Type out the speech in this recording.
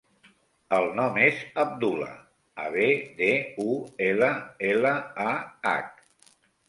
El nom és Abdullah: a, be, de, u, ela, ela, a, hac.